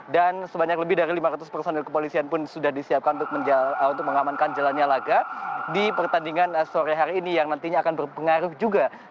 dan sebanyak lebih dari lima ratus personil kepolisian pun sudah disiapkan untuk mengamankan jelang laga di pertandingan sore hari ini yang nantinya akan berpengaruh juga